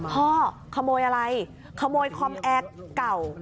ขโมยอะไรขโมยคอมแอร์เก่า